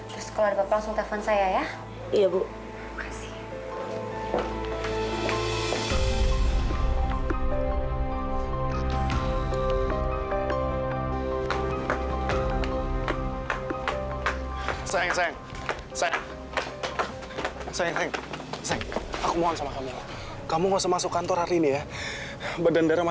terus kalau ada apa apa langsung telepon saya ya